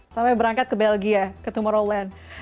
sampai berangkat ke belgia ke tumoroland